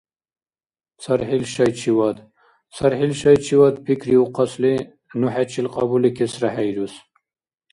ЦархӀил шайчивад… ЦархӀил шайчивад пикриухъасли, ну хӀечил кьабуликесра хӀейрус.